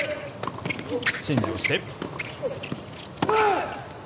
チェンジをして。